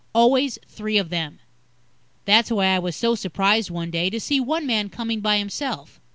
Always three of them. That's why I was so surprised one day, to see one man coming by himself.